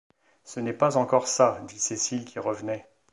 Ce n’est pas encore ça, dit Cécile qui revenait.